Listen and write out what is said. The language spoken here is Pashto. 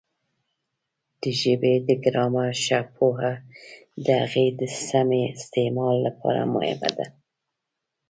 د ژبې د ګرامر ښه پوهه د هغې د سمې استعمال لپاره مهمه ده.